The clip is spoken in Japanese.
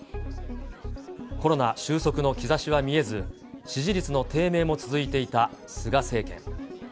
コロナ収束の兆しは見えず、支持率の低迷も続いていた菅政権。